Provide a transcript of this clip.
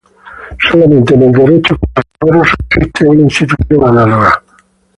Solamente en el derecho foral navarro subsiste una institución análoga.